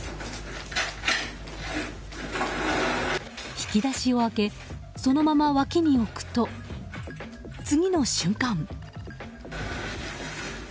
引き出しを開けそのまま脇に置くと次の瞬間。